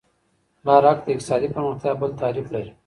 کلارک د اقتصادي پرمختیا بل تعریف لري.